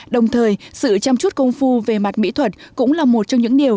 đồng thời sự chăm chút công phu về mặt mỹ thuật cũng là một trong những điều